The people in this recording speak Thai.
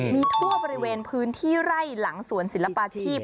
มีทั่วบริเวณพื้นที่ไร่หลังสวนศิลปาชีพ